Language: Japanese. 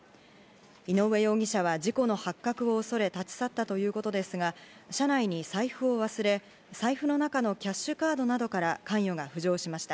井上容疑者は事故の発覚を恐れ、立ち去ったということですが、車内に財布を忘れ、財布の中のキャッシュカードなどから、関与が浮上しました。